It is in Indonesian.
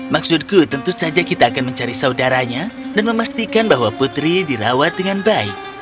maksudku tentu saja kita akan mencari saudaranya dan memastikan bahwa putri dirawat dengan baik